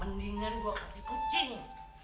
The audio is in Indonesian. mendingan gua kasih kucing